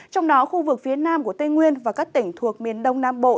trong đó khu vực phía nam của tây nguyên và các tỉnh thuộc miền đông nam bộ